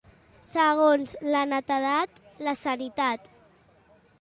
Segons la netedat, la sanitat.